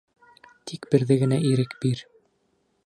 Тик берҙе генә ирек бир.